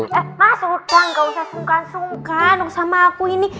eh mas udah gak usah sungkan sungkan sama aku ini